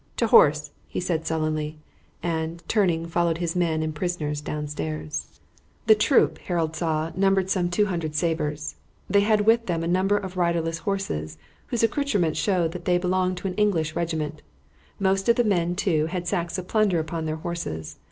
"To horse!" he said sullenly, and, turning, followed his men and prisoners downstairs. The troop, Harold saw, numbered some 200 sabers. They had with them a number of riderless horses, whose accouterments showed that they belonged to an English regiment; most of the men, too, had sacks of plunder upon their horses.